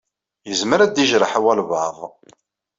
Izmer ad d-ijreḥ walebɛaḍ.